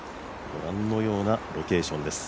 ご覧のようなロケーションです